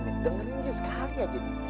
dengerin aja sekali aja ji